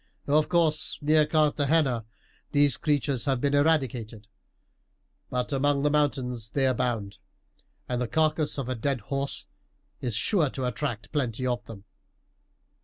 Of course, near Carthagena these creatures have been eradicated; but among the mountains they abound, and the carcass of a dead horse is sure to attract plenty of them.